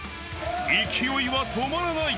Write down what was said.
勢いは止まらない。